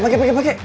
pakai pakai pakai